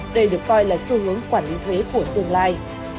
đây được coi là xu hướng quản lý thuế của tương lai